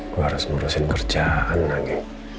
gue harus ngurusin kerjaan lagi